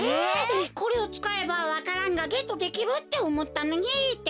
これをつかえばわか蘭がゲットできるっておもったのにってか！